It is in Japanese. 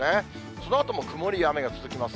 そのあとも曇りや雨が続きます。